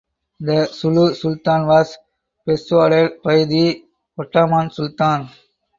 The Sulu sultan was persuaded by the Ottoman Sultan.